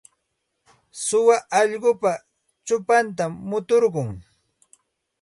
Suwa allqupa chupantam muturqun.